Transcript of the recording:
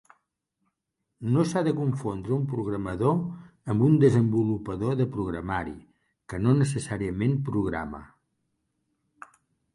No s'ha de confondre un programador amb un desenvolupador de programari, que no necessàriament programa.